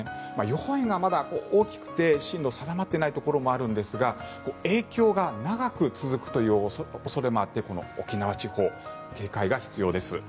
予報円がまだ大きくて進路が定まっていないところもあるんですが影響が長く続くという恐れもあってこの沖縄地方警戒が必要です。